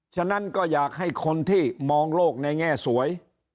ฉะนั้นก็อยากให้คนที่มองโลกในแง่สวย